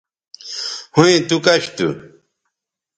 ھویں تو کش تھو